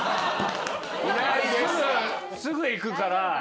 すぐ行くから。